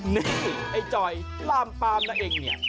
นี่ไอ้จ่อยล่ามปลาหมนะเองนี่